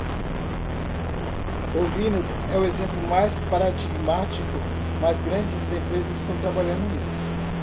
O Linux é o exemplo mais paradigmático, mas grandes empresas estão trabalhando nisso.